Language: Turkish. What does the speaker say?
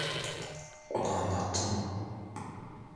Ona anlattın mı?